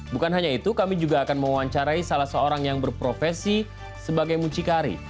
bukan hanya itu kami juga akan mewawancarai salah seorang yang berprofesi sebagai mucikari